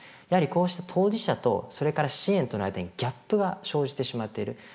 やはりこうした当事者とそれから支援との間にギャップが生じてしまっている。